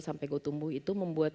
sampai gue tumbuh itu membuat